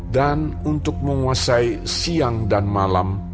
dan untuk menguasai siang dan malam